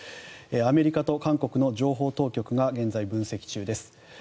アメリカと韓国の情報当局が現在分析中です。